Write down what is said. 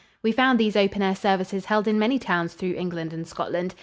We found these open air services held in many towns through England and Scotland.